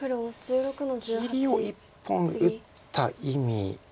切りを１本打った意味。